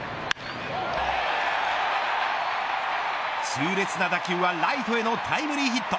痛烈な打球はライトへのタイムリーヒット。